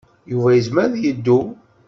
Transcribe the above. Yuba yezmer ad yeddu.